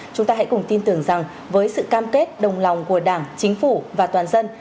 chúng ta hãy cùng tin tưởng rằng với sự cam kết đồng lòng của đảng chính phủ và toàn dân